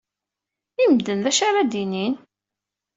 I medden, d acu ara d-inin?